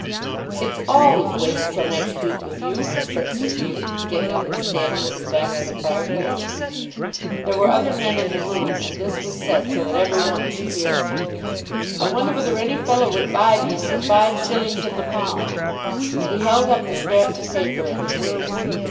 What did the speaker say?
"It's always waiting till next week with you," said Sir Felix, getting up and standing with his back to the fire place. There were other men in the room, and this was said so that every one should hear it. "I wonder whether any fellow would buy these for five shillings in the pound?" And he held up the scraps of paper in his hand.